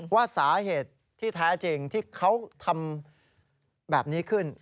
ว่าสาเหตุที่แท้จริงที่เขาทำแบบนี้ขึ้น